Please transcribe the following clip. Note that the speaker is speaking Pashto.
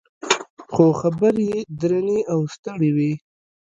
خو خبرې یې درنې او ستړې وې.